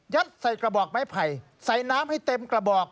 ใส่กระบอกไม้ไผ่ใส่น้ำให้เต็มกระบอก